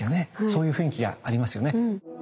そういう雰囲気がありますよね。